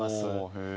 へえ。